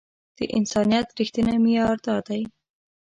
د انسانيت رښتينی معيار دا دی.